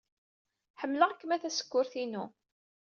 Ḥemmleɣ-kem a tasekkurt-inu.